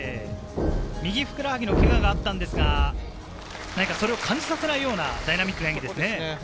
右ふくらはぎのけががあったんですが、何かそれを感じさせないような、ダイナミックな演技ですね。